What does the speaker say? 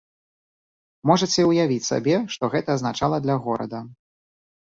Можаце ўявіць сабе, што гэта азначала для горада.